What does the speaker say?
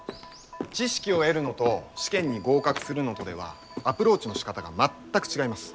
知識を得るのと試験に合格するのとではアプローチのしかたが全く違います。